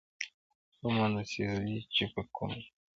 ؤمه دې سېزلے چې په کوم نظر